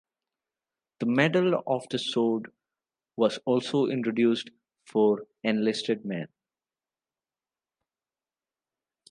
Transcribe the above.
A Medal of the Sword was also introduced for enlisted men.